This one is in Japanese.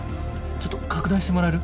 ちょっと拡大してもらえる？